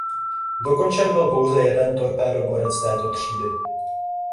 Dokončen byl pouze jeden torpédoborec této třídy.